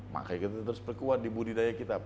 makanya kita terus perkuat di budidaya kita